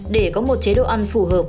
để có một chế độ ăn phù hợp